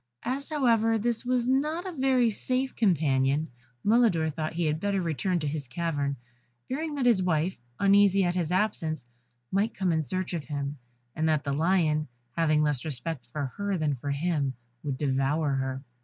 As, however, this was not a very safe companion, Mulidor thought he had better return to his cavern, fearing that his wife, uneasy at his absence, might come in search of him, and that the lion, having less respect for her than for him, would devour her.